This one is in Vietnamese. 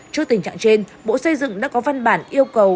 trước tình trạng trên bộ xây dựng đã có văn bản yêu cầu